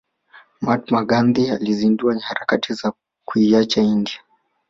Mahatma Gandhi alizindua harakati za kuiacha india